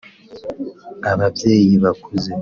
ababyeyi bakuze